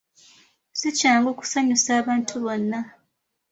Si kyangu kusanyusa abantu bonna.